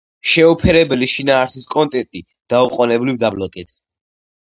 შეუფერებელი შინაარსის კონტენტი დაუყონებლივ დაბლოკეთ.